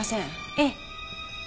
ええ。